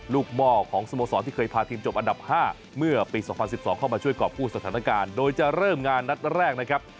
หม้อของสโมสรที่เคยพาทีมจบอันดับ๕เมื่อปี๒๐๑๒เข้ามาช่วยกรอบกู้สถานการณ์โดยจะเริ่มงานนัดแรกนะครับ